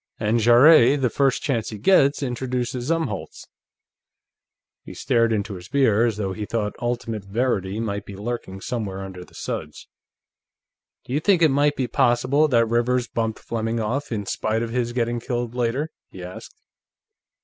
And Jarrett, the first chance he gets, introduces Umholtz." He stared into his beer, as though he thought Ultimate Verity might be lurking somewhere under the suds. "Do you think it might be possible that Rivers bumped Fleming off, in spite of his getting killed later?" he asked.